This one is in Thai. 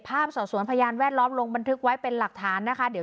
สอบสวนพยานแวดล้อมลงบันทึกไว้เป็นหลักฐานนะคะเดี๋ยว